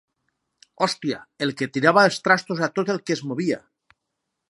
Hòstia, el que tirava els trastos a tot el que es movia.